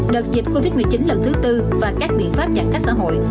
đợt dịch covid một mươi chín lần thứ tư và các biện pháp giãn cách xã hội